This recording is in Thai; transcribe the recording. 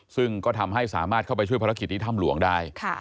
ซึ่งก็ทำให้สามารถเข้าไปช่วยภารกิจที่ถ้ำหลวงได้